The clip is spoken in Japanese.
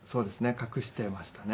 隠してましたね。